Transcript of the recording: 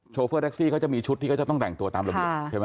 โฟเฟอร์แท็กซี่เขาจะมีชุดที่เขาจะต้องแต่งตัวตามระเบียบใช่ไหม